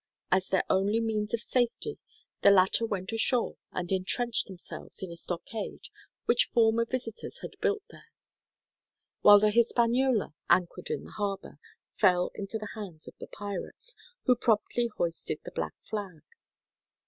As their only means of safety the latter went ashore and entrenched themselves in a stockade which former visitors had built there; while the Hispaniola, anchored in the harbor, fell into the hands of the pirates, who promptly hoisted the black flag.